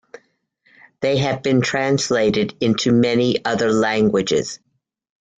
They have been translated into many other languages.